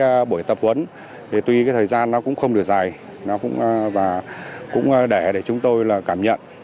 qua buổi tập huấn tuy thời gian không được dài cũng để chúng tôi cảm nhận